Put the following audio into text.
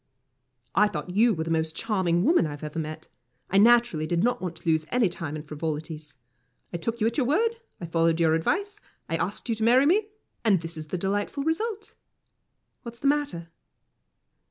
"I thought you were the most charming woman I have ever seen. I naturally did not want to lose any time in frivolities. I took you at your word, I followed your advice, I asked you to marry me, and this is the delightful result what's the matter?"